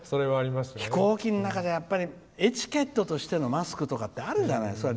飛行機の中ではエチケットとしてのマスクってあるじゃないですか。